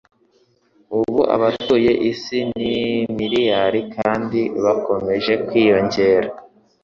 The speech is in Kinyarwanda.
ubu abatuye isi ni miliyari kandi bakomeje kwiyongera.